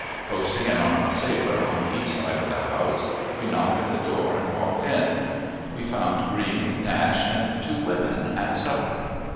Posting an armed sailor on each side of the house, we knocked at the door and walked in. We found Green, Nash, and two women, at supper.